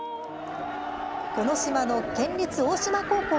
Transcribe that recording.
この島の県立大島高校